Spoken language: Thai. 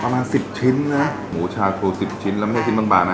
ประมาณสิบชิ้นนะหมูชาครูสิบชิ้นแล้วไม่ใช่ชิ้นบางนะ